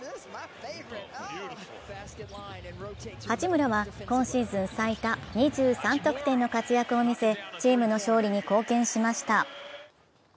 八村は今シーズン最多２３得点の活躍を見せチームの勝利に貢献しました。